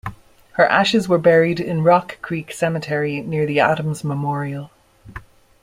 Her ashes were buried in Rock Creek Cemetery near the Adams Memorial.